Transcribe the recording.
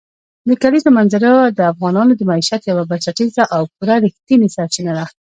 د کلیزو منظره د افغانانو د معیشت یوه بنسټیزه او پوره رښتینې سرچینه ده.